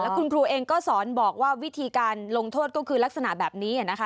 คุณครูเองก็สอนบอกว่าวิธีการลงโทษก็คือลักษณะแบบนี้นะคะ